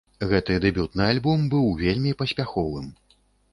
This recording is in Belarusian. Гэты дэбютны альбом быў вельмі паспяховым.